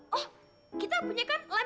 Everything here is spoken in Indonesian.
oh kita punya kan lem di dalam